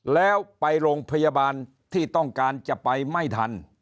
แล้วไปโรงพยาบาลที่ต้องการจะไปไม่ทัน